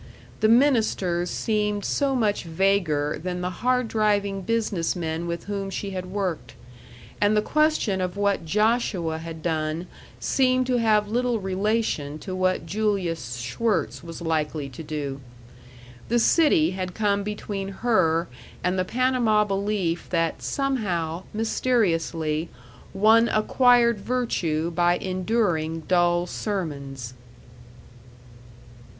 The ministers seemed so much vaguer than the hard driving business men with whom she had worked; and the question of what Joshua had done seemed to have little relation to what Julius Schwirtz was likely to do. The city had come between her and the Panama belief that somehow, mysteriously, one acquired virtue by enduring dull sermons.